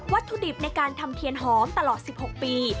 ถุดิบในการทำเทียนหอมตลอด๑๖ปี